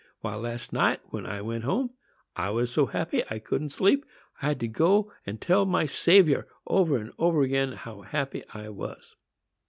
Why, last night, when I went home, I was so happy I couldn't sleep. I had to go and tell my Saviour, over and over again, how happy I was."